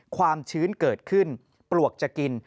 ความชื้นเกิดขึ้นปลวกจะกิน